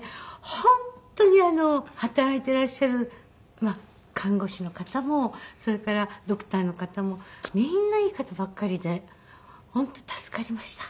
本当に働いていらっしゃる看護師の方もそれからドクターの方もみんないい方ばっかりで本当助かりました。